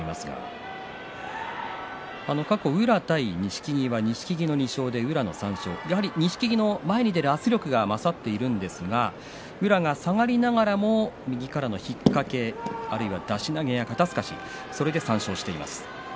過去宇良対錦木は錦木のの２勝、宇良の３勝錦木の前に出る圧力が勝っているんですが宇良が下がりながらも右からの引っ掛けあるいは出し投げや肩すかしそれで３連勝しています。